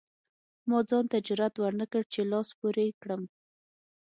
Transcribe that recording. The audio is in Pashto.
ما ځان ته جرئت ورنکړ چې لاس پورې کړم.